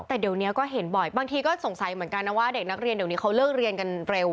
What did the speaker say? แต่เดี๋ยวนี้ก็เห็นบ่อยบางทีก็สงสัยเหมือนกันนะว่าเด็กนักเรียนเดี๋ยวนี้เขาเลิกเรียนกันเร็ว